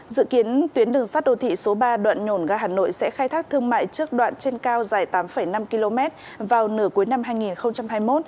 dự kiến tuyến đường sắt đô thị số ba đoạn nhổn ga hà nội sẽ khai thác thương mại trước đoạn trên cao dài tám năm km vào nửa cuối năm hai nghìn hai mươi một